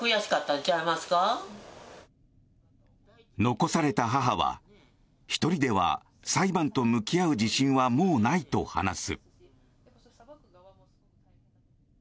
残された母は１人では裁判と向き合う自信はもうないと話す。